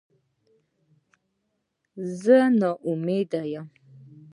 زه نا امیده یم